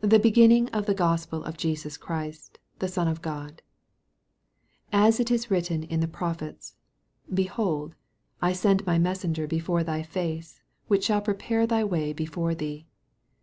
1 Tire beginning of the Gospel of Jesus Christ, the Son of God ; 2 As it is written in the prophets, Behold, I send my messenger before thy face, which shall prepare thy way before thee.